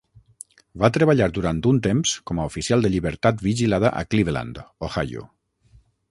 Va treballar durant un temps com a oficial de llibertat vigilada a Cleveland, Ohio.